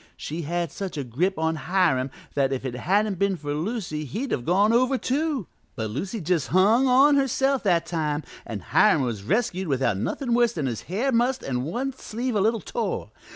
She had such a grip on Hiram that if it hadn't been for Lucy he'd have gone over, too, but Lucy just hung on herself that time, an' Hiram was rescued without nothin' worse than his hair mussed an' one sleeve a little tore.